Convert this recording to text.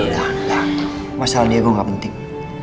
udah udah masalah diego gak penting